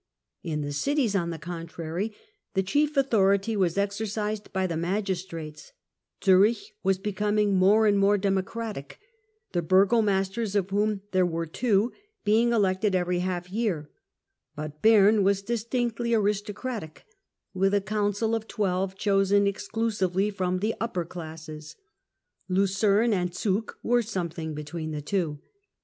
In the cities, on the contrary, the chief authority was ex ercised by the magistrates ; Zurich was becoming more and more democratic, the burgomasters, of whom there were two, being elected every half year ; but Bern was distinctly aristocratic with a Council of Twelve chosen exclusively from the upper classes. Lucerne and Zug were something between the two.